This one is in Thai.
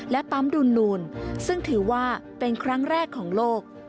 และปั๊มดูนูนซึ่งถือว่าเป็นครั้งแรกของโลก